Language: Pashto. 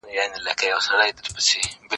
د نجونو زده کړه ډېره مهمه ده.